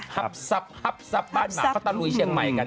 หับสับว้านหมากอตรุยเชียงใหม่กัน